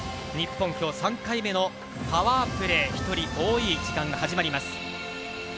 日本、今日３回目のパワープレー、１人多い時間が始まります。